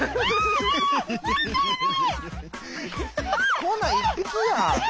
こんなん１匹やん。